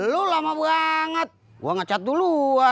lo lama banget gue ngecat duluan